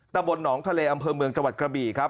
ตะบนหนองทะเลอำเภอเมืองจังหวัดกระบี่ครับ